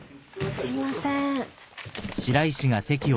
すいません。